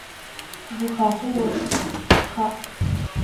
Гухахъо ошх, шъухаӏ!